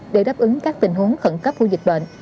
để đáp ứng các tình huống khẩn cấp của dịch bệnh